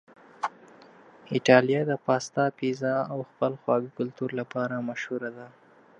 ایتالیا د پاستا، پیزا او خپل خواږه کلتور لپاره مشهوره ده.